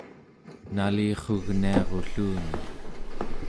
nalirrugniarulluni